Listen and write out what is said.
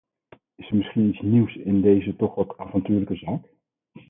Is er misschien iets nieuws in deze toch wat avontuurlijke zaak?